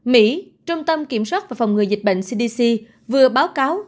mỹ trung tâm kiểm soát và phòng ngừa dịch bệnh cdc vừa báo cáo